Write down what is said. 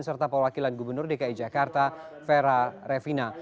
serta perwakilan gubernur dki jakarta vera revina